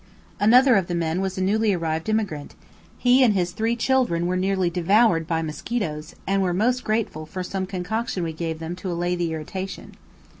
Another of the men was a newly arrived emigrant; he and his three children were nearly devoured by mosquitoes, and were most grateful for some concoction we gave them to allay the irritation.